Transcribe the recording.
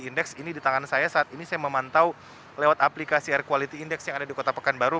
indeks ini di tangan saya saat ini saya memantau lewat aplikasi air quality index yang ada di kota pekanbaru